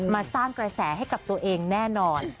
มาสร้างกระแสให้กับตัวเองแน่นอน